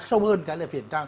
sâu hơn cái là